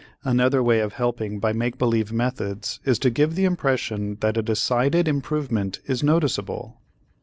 Another way of helping by make believe methods is to give the impression that a decided improvement is noticeable.